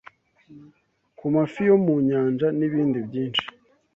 ku mafi yo mu Nyanja nibindi byinshi